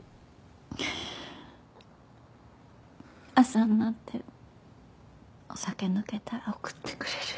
朝になってお酒抜けたら送ってくれる？